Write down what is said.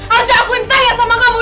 arsya aku yang tanya sama kamu